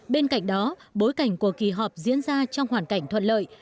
bên cạnh đó bối cảnh của kỳ họp diễn ra trong hoàn cảnh thuận lợi